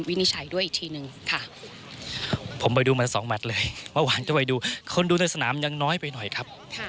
วินิชัยด้วยอีกทีนึงค่ะ